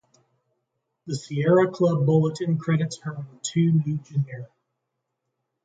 The Sierra Club Bulletin credits her with two new genera.